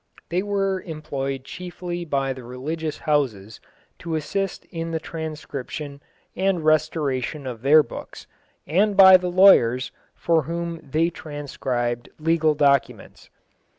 They were employed chiefly by the religious houses, to assist in the transcription and restoration of their books, and by the lawyers, for whom they transcribed legal documents.